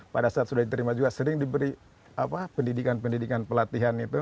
pada saat sudah diterima juga sering diberi pendidikan pendidikan pelatihan itu